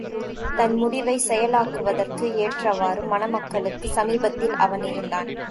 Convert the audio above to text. தன் முடிவைச் செயலாக்குவதற்கு ஏற்றவாறு மணமக்களுக்குச் சமீபத்தில் அவன் இருந்தான்.